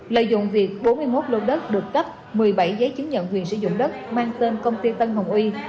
lợi dụng việc bốn mươi một lô đất được cấp một mươi bảy giấy chứng nhận quyền sử dụng đất mang tên công ty tân hồng uy